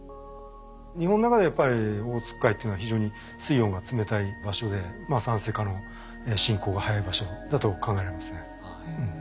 日本の中でやっぱりオホーツク海というのは非常に水温が冷たい場所で酸性化の進行が速い場所だと考えられますね。